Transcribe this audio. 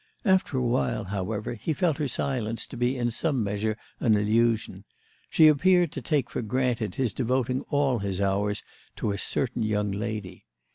After a while, however, he felt her silence to be in some measure an allusion; she appeared to take for granted his devoting all his hours to a certain young lady.